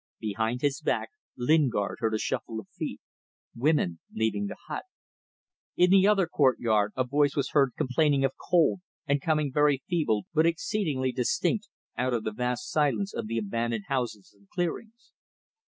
Behind his back Lingard heard a shuffle of feet women leaving the hut. In the other courtyard a voice was heard complaining of cold, and coming very feeble, but exceedingly distinct, out of the vast silence of the abandoned houses and clearings.